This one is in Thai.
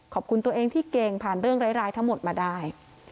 ขอบคุณตัวเองที่เก่งผ่านเรื่องร้ายทั้งหมดมาได้